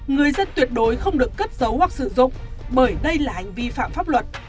người dân tuyệt đối không được cất giấu hoặc sử dụng bởi đây là hành vi phạm pháp luật